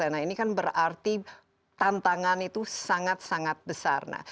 nah ini kan berarti tantangan itu sangat sangat besar